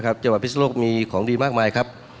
นะครับจังหวัดพิสุทธิ์โลกมีของดีมากมายครับ